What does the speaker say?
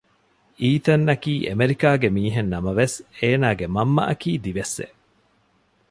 އީތަންއަކީ އެމެރިކާގެ މީހެއް ނަމަވެސް އޭނާގެ މަންމައަކީ ދިވެއްސެއް